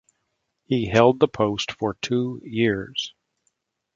He held the post for two years.